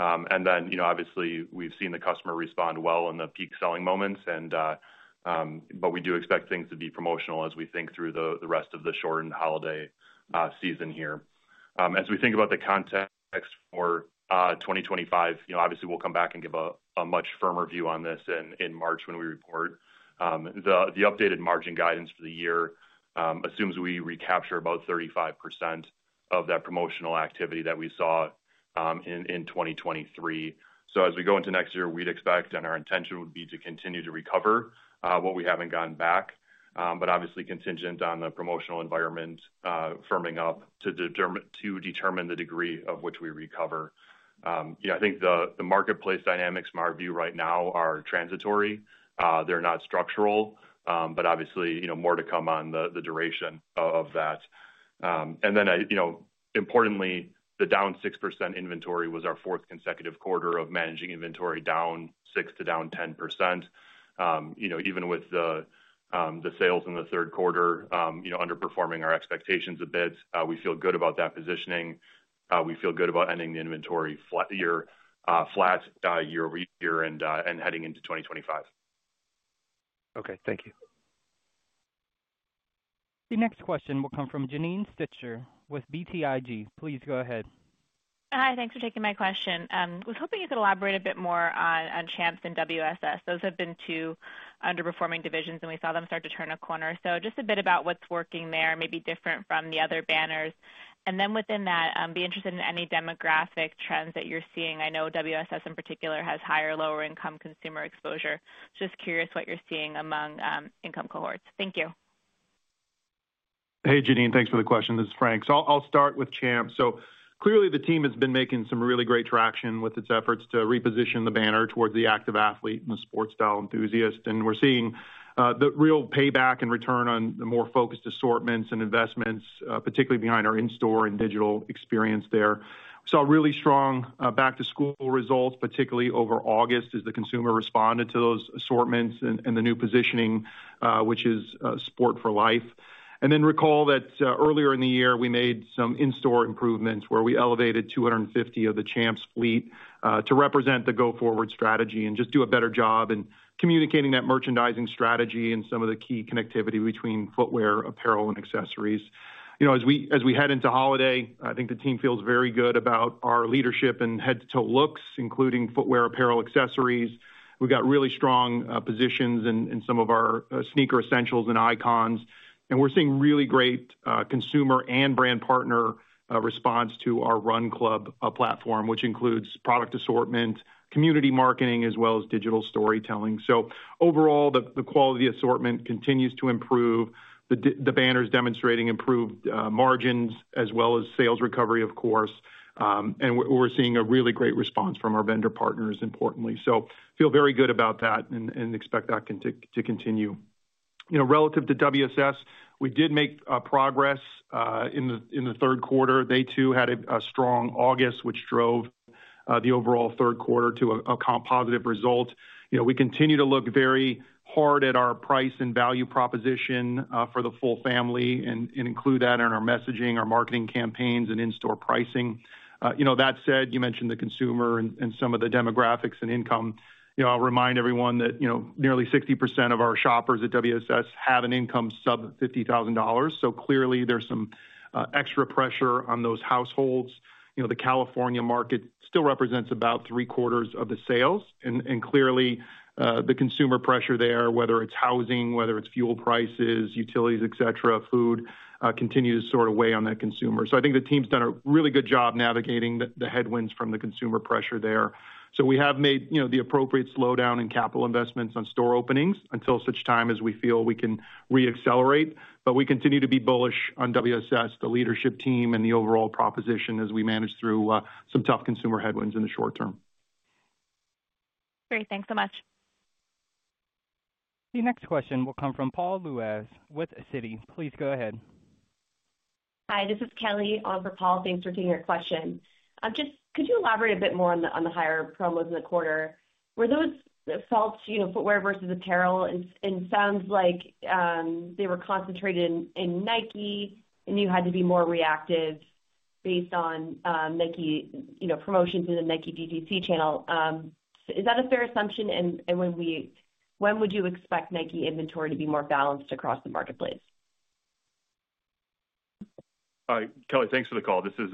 And then, obviously, we've seen the customer respond well in the peak selling moments. But we do expect things to be promotional as we think through the rest of the shortened holiday season here. As we think about the context for 2025, obviously, we'll come back and give a much firmer view on this in March when we report. The updated margin guidance for the year assumes we recapture about 35% of that promotional activity that we saw in 2023. So as we go into next year, we'd expect, and our intention would be to continue to recover what we haven't gotten back, but obviously contingent on the promotional environment firming up to determine the degree of which we recover. I think the marketplace dynamics, in our view right now, are transitory. They're not structural, but obviously more to come on the duration of that. And then, importantly, the down 6% inventory was our fourth consecutive quarter of managing inventory down 6% to down 10%. Even with the sales in the third quarter underperforming our expectations a bit, we feel good about that positioning. We feel good about ending the inventory year flat year over year and heading into 2025. Okay. Thank you. The next question will come from Janine Stichter with BTIG. Please go ahead. Hi. Thanks for taking my question. I was hoping you could elaborate a bit more on Champs and WSS. Those have been two underperforming divisions, and we saw them start to turn a corner. So just a bit about what's working there, maybe different from the other banners. And then within that, be interested in any demographic trends that you're seeing. I know WSS, in particular, has higher lower-income consumer exposure. Just curious what you're seeing among income cohorts. Thank you. Hey, Janine. Thanks for the question. This is Frank. So I'll start with Champs. So clearly, the team has been making some really great traction with its efforts to reposition the banner towards the active athlete and the sports style enthusiast. We're seeing the real payback and return on the more focused assortments and investments, particularly behind our in-store and digital experience there. We saw really strong Back-to-School results, particularly over August, as the consumer responded to those assortments and the new positioning, which is Sport for Life. Recall that earlier in the year, we made some in-store improvements where we elevated 250 of the Champs fleet to represent the go-forward strategy and just do a better job in communicating that merchandising strategy and some of the key connectivity between footwear, apparel, and accessories. As we head into holiday, I think the team feels very good about our leadership and head-to-toe looks, including footwear, apparel, accessories. We've got really strong positions in some of our sneaker essentials and icons. We're seeing really great consumer and brand partner response to our Run Club platform, which includes product assortment, community marketing, as well as digital storytelling. Overall, the quality assortment continues to improve. The banner is demonstrating improved margins as well as sales recovery, of course. We're seeing a really great response from our vendor partners, importantly. We feel very good about that and expect that to continue. Relative to WSS, we did make progress in the third quarter. They too had a strong August, which drove the overall third quarter to a positive result. We continue to look very hard at our price and value proposition for the full family and include that in our messaging, our marketing campaigns, and in-store pricing. That said, you mentioned the consumer and some of the demographics and income. I'll remind everyone that nearly 60% of our shoppers at WSS have an income sub $50,000. So clearly, there's some extra pressure on those households. The California market still represents about three-quarters of the sales. And clearly, the consumer pressure there, whether it's housing, whether it's fuel prices, utilities, etc., food, continues to sort of weigh on that consumer. So I think the team's done a really good job navigating the headwinds from the consumer pressure there. So we have made the appropriate slowdown in capital investments on store openings until such time as we feel we can reaccelerate. But we continue to be bullish on WSS, the leadership team, and the overall proposition as we manage through some tough consumer headwinds in the short term. Great. Thanks so much. The next question will come from Paul Lejuez with Citigroup. Please go ahead. Hi. This is Kelly for Paul. Thanks for taking your question. Just could you elaborate a bit more on the higher promos in the quarter? Were those in footwear versus apparel? And it sounds like they were concentrated in Nike, and you had to be more reactive based on Nike promotions in the Nike DTC channel. Is that a fair assumption? And when would you expect Nike inventory to be more balanced across the marketplace? Hi, Kelly. Thanks for the call. This is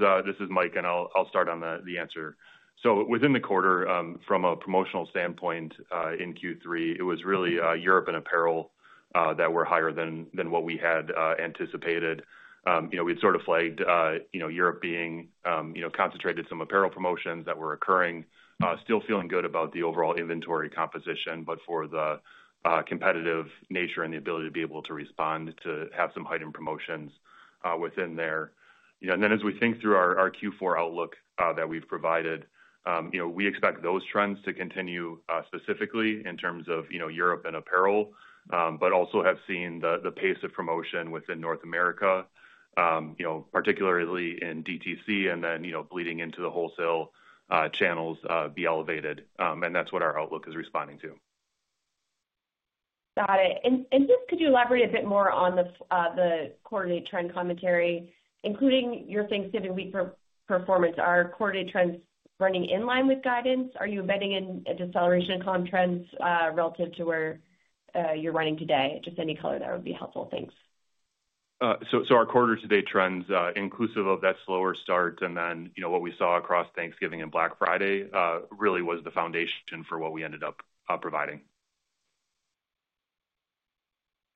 Mike, and I'll start on the answer. So within the quarter, from a promotional standpoint in Q3, it was really Europe and apparel that were higher than what we had anticipated. We'd sort of flagged Europe being concentrated in some apparel promotions that were occurring, still feeling good about the overall inventory composition, but for the competitive nature and the ability to be able to respond to have some heightened promotions within there. And then as we think through our Q4 outlook that we've provided, we expect those trends to continue specifically in terms of Europe and apparel, but also have seen the pace of promotion within North America, particularly in DTC, and then bleeding into the wholesale channels be elevated. And that's what our outlook is responding to. Got it. And just could you elaborate a bit more on the quarterly trend commentary, including your Thanksgiving week performance? Are quarterly trends running in line with guidance? Are you embedding a deceleration of comp trends relative to where you're running today? Just any color that would be helpful. Thanks. So our quarter-to-date trends, inclusive of that slower start and then what we saw across Thanksgiving and Black Friday, really was the foundation for what we ended up providing.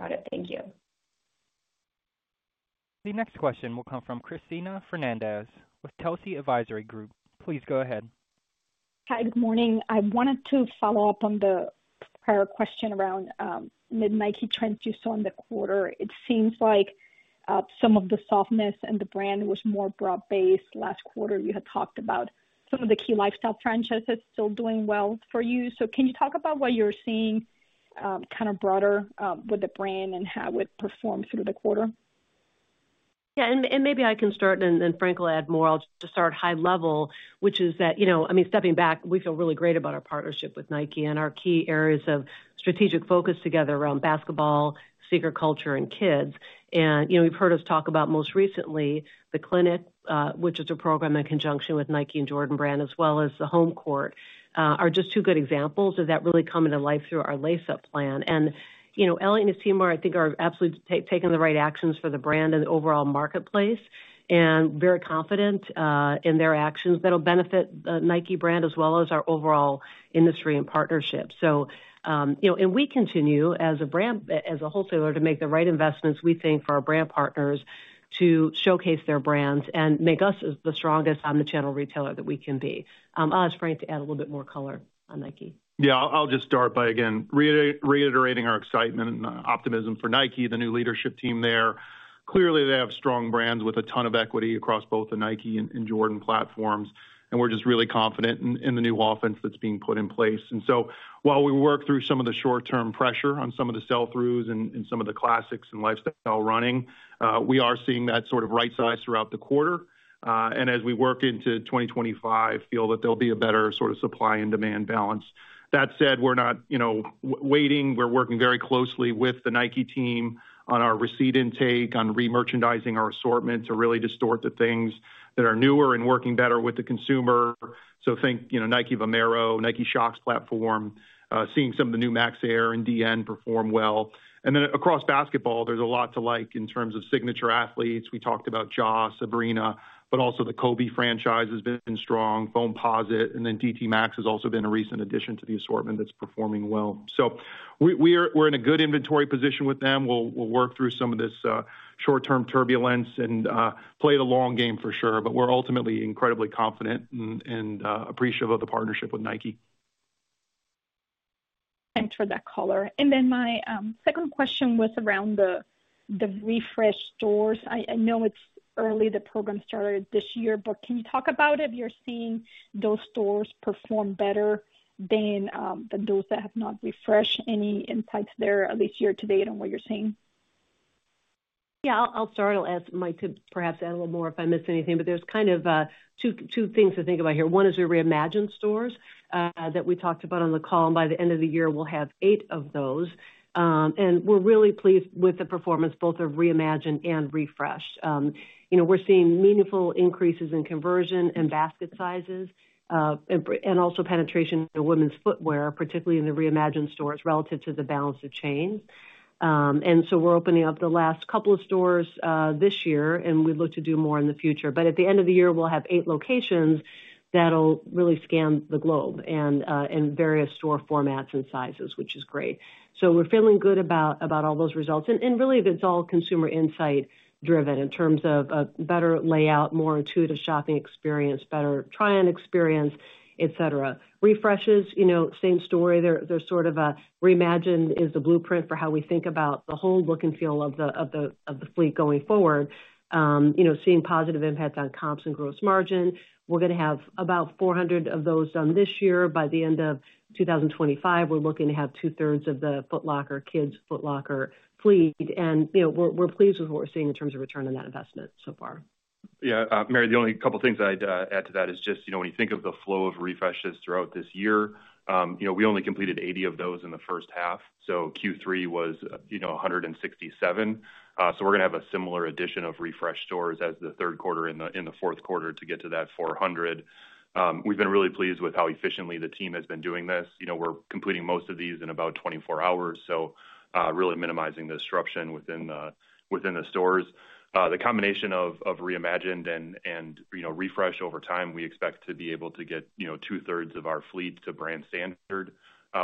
Got it. Thank you. The next question will come from Christina Fernandez with Telsey Advisory Group. Please go ahead. Hi. Good morning. I wanted to follow up on the prior question around in Nike trends you saw in the quarter. It seems like some of the softness in the brand was more broad-based. Last quarter, you had talked about some of the key lifestyle franchises still doing well for you. So can you talk about what you're seeing kind of broader with the brand and how it performed through the quarter? Yeah. And maybe I can start, and then Frank will add more. I'll just start high level, which is that, I mean, stepping back, we feel really great about our partnership with Nike and our key areas of strategic focus together around basketball, sneaker culture, and kids. You've heard us talk about most recently the clinic, which is a program in conjunction with Nike and Jordan Brand, as well as the Home Court, are just two good examples of that really coming to life through our Lace Up Plan. Elliott and Timu, I think, are absolutely taking the right actions for the brand and the overall marketplace and very confident in their actions that will benefit the Nike brand as well as our overall industry and partnership. So we continue, as a brand, as a wholesaler, to make the right investments, we think, for our brand partners to showcase their brands and make us the strongest omnichannel retailer that we can be. I'll ask Frank to add a little bit more color on Nike. Yeah. I'll just start by, again, reiterating our excitement and optimism for Nike, the new leadership team there. Clearly, they have strong brands with a ton of equity across both the Nike and Jordan platforms. And we're just really confident in the new offense that's being put in place. And so while we work through some of the short-term pressure on some of the sell-throughs and some of the classics and lifestyle running, we are seeing that sort of right size throughout the quarter. And as we work into 2025, feel that there'll be a better sort of supply and demand balance. That said, we're not waiting. We're working very closely with the Nike team on our receipt intake, on re-merchandising our assortment to really distort the things that are newer and working better with the consumer. So think Nike Vomero, Nike Shox platform, seeing some of the new Max Air and DN perform well. And then across basketball, there's a lot to like in terms of signature athletes. We talked about Ja's, Sabrina, but also the Kobe franchise has been strong, Foamposite, and then DT Max has also been a recent addition to the assortment that's performing well. So we're in a good inventory position with them. We'll work through some of this short-term turbulence and play the long game for sure. But we're ultimately incredibly confident and appreciative of the partnership with Nike. Thanks for that color. And then my second question was around the refreshed stores. I know it's early, the program started this year, but can you talk about if you're seeing those stores perform better than those that have not refreshed? Any insights there, at least year-to-date, on what you're seeing? Yeah. I'll start, as Mike could perhaps add a little more if I missed anything. But there's kind of two things to think about here. One is we Reimagined stores that we talked about on the call. And by the end of the year, we'll have eight of those. And we're really pleased with the performance, both of Reimagined and Refreshed. We're seeing meaningful increases in conversion and basket sizes and also penetration in women's footwear, particularly in the Reimagined stores relative to the balance of chains. And so we're opening up the last couple of stores this year, and we look to do more in the future. But at the end of the year, we'll have eight locations that'll really scan the globe and various store formats and sizes, which is great. So we're feeling good about all those results. And really, it's all consumer insight-driven in terms of a better layout, more intuitive shopping experience, better try-on experience, etc. Refreshes, same story. There's sort of a Reimagined is the blueprint for how we think about the whole look and feel of the fleet going forward, seeing positive impacts on comps and gross margin. We're going to have about 400 of those done this year. By the end of 2025, we're looking to have two-thirds of the Foot Locker, Kids Foot Locker fleet. And we're pleased with what we're seeing in terms of return on that investment so far. Yeah. Mary, the only couple of things I'd add to that is just when you think of the flow of refreshes throughout this year, we only completed 80 of those in the first half. So Q3 was 167. So we're going to have a similar addition of refreshed stores as the third quarter and the fourth quarter to get to that 400. We've been really pleased with how efficiently the team has been doing this. We're completing most of these in about 24 hours, so really minimizing the disruption within the stores. The combination of Reimagined and refreshed over time, we expect to be able to get two-thirds of our fleet to brand standard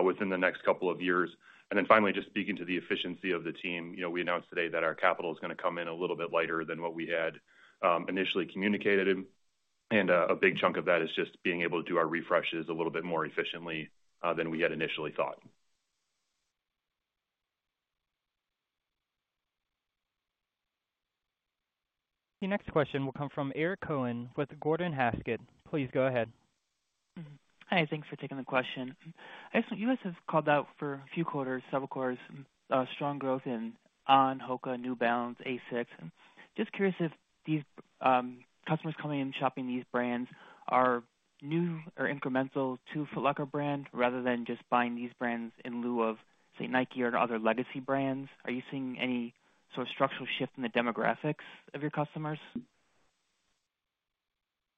within the next couple of years. And then finally, just speaking to the efficiency of the team, we announced today that our capital is going to come in a little bit lighter than what we had initially communicated. And a big chunk of that is just being able to do our refreshes a little bit more efficiently than we had initially thought. The next question will come from Eric Cohen with Gordon Haskett. Please go ahead. Hi. Thanks for taking the question. I guess U.S. has called out for a few quarters, several quarters, strong growth in On, Hoka, New Balance, Asics. Just curious if these customers coming in shopping these brands are new or incremental to Foot Locker brand rather than just buying these brands in lieu of, say, Nike or other legacy brands. Are you seeing any sort of structural shift in the demographics of your customers?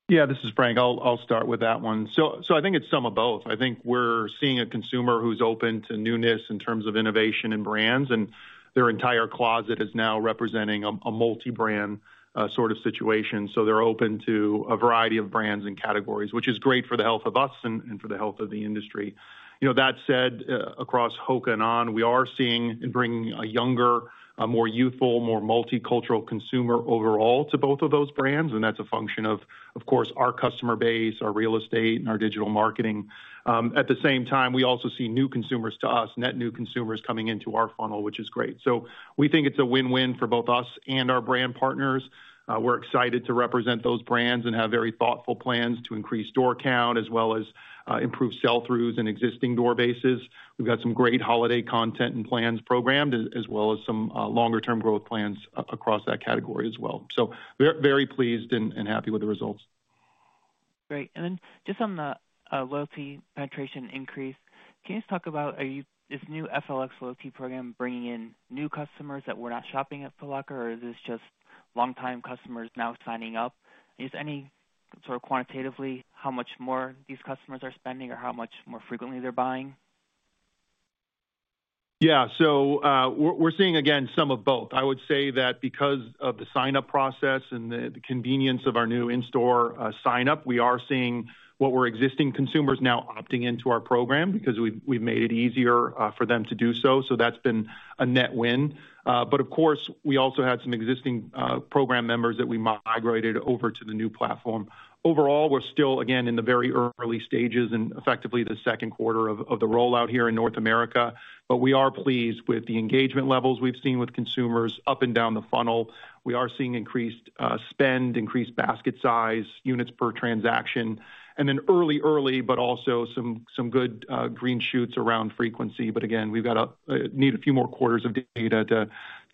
Yeah. This is Frank. I'll start with that one. So I think it's some of both. I think we're seeing a consumer who's open to newness in terms of innovation and brands, and their entire closet is now representing a multi-brand sort of situation, so they're open to a variety of brands and categories, which is great for the health of us and for the health of the industry. That said, across Hoka and On, we are seeing and bringing a younger, more youthful, more multicultural consumer overall to both of those brands. And that's a function of, of course, our customer base, our real estate, and our digital marketing. At the same time, we also see new consumers to us, net new consumers coming into our funnel, which is great. So we think it's a win-win for both us and our brand partners. We're excited to represent those brands and have very thoughtful plans to increase store count as well as improve sell-throughs and existing door bases. We've got some great holiday content and plans programmed as well as some longer-term growth plans across that category as well. So very pleased and happy with the results. Great. And then just on the loyalty penetration increase, can you just talk about, is new FLX loyalty program bringing in new customers that were not shopping at Foot Locker, or is this just long-time customers now signing up? Just any sort of quantitatively, how much more these customers are spending or how much more frequently they're buying? Yeah. So we're seeing, again, some of both. I would say that because of the sign-up process and the convenience of our new in-store sign-up, we are seeing what were existing consumers now opting into our program because we've made it easier for them to do so. So that's been a net win. But of course, we also had some existing program members that we migrated over to the new platform. Overall, we're still, again, in the very early stages and effectively the second quarter of the rollout here in North America. But we are pleased with the engagement levels we've seen with consumers up and down the funnel. We are seeing increased spend, increased basket size, units per transaction, and then early, but also some good green shoots around frequency. But again, we've got to see a few more quarters of data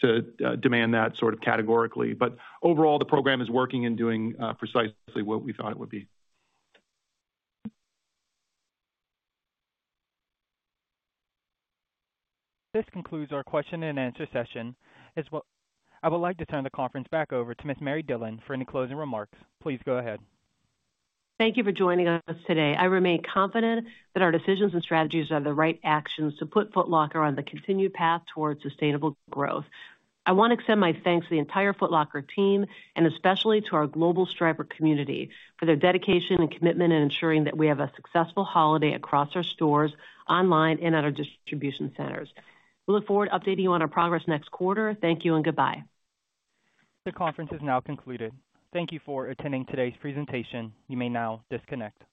to deem that sort of categorical. But overall, the program is working and doing precisely what we thought it would be. This concludes our question and answer session. I would like to turn the conference back over to Ms. Mary Dillon for any closing remarks. Please go ahead. Thank you for joining us today. I remain confident that our decisions and strategies are the right actions to put Foot Locker on the continued path towards sustainable growth. I want to extend my thanks to the entire Foot Locker team and especially to our global Striper community for their dedication and commitment in ensuring that we have a successful holiday across our stores, online, and at our distribution centers. We look forward to updating you on our progress next quarter. Thank you and goodbye. The conference is now concluded. Thank you for attending today's presentation. You may now disconnect.